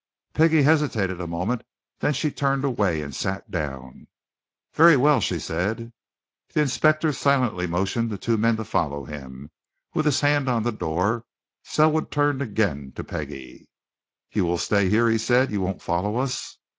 Peggie hesitated a moment; then she turned away and sat down. "Very well," she said. The inspector silently motioned the two men to follow him; with his hand on the door Selwood turned again to Peggie. "You will stay here?" he said. "You won't follow us?"